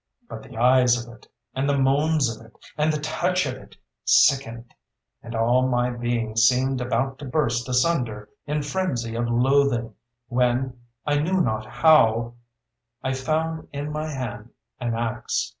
But the eyes of it, and the moans of it, and the touch of it, sickened; and all my being seemed about to burst asunder in frenzy of loathing, when I knew not how I found in my hand an axe.